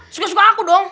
suka suka aku dong